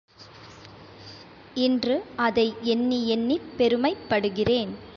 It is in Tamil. இன்று அதை எண்ணியெண்ணிப் பெருமைப்படுகிறேன்.